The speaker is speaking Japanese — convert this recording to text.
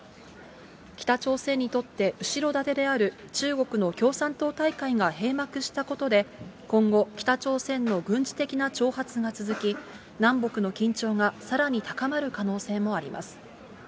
北朝鮮にとって後ろ盾である中国の共産党大会が閉幕したことで、今後、北朝鮮の軍事的な挑発が続き、南北の緊張がさらに高まる可能性もあります。